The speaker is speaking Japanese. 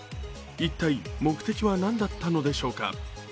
一体、目的は何だったのでしょうか